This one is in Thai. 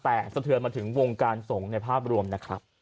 แต่สะเทือนมาถึงวงการสงฆ์ในภาพรวมนะครับ